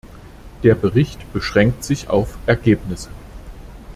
Der Bericht beschränkt sich auf Ergebnisse.